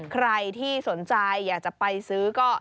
ใครที่สนใจอยากจะไปซื้อก็